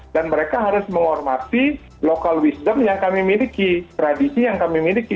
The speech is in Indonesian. dan mereka harus menghormati local wisdom yang kami miliki tradisi yang kami miliki